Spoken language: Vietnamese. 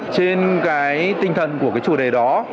trên cái tinh thần của cái chủ đề đó